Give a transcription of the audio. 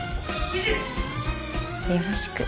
よろしく。